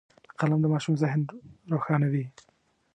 قلم د ماشوم ذهن روښانوي